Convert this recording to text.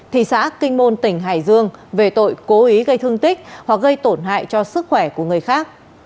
thị xã kinh môn tỉnh hải dương về tội cố ý gây thương tích hoặc gây tổn hại cho sức khỏe của người khác